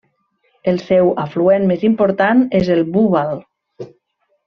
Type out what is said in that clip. El seu afluent més important és el Búbal.